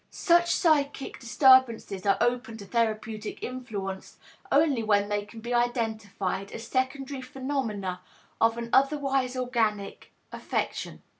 Such psychic disturbances are open to therapeutic influence only when they can be identified as secondary phenomena of an otherwise organic affection.